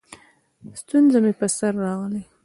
ستونزه مې په سر راغلې؛